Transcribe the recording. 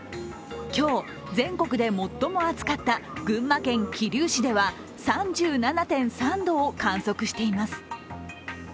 今日、全国で最も暑かった群馬県桐生市では３７．３度を観測しています。